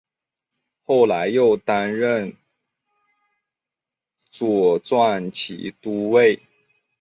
后来又担任左转骑都尉。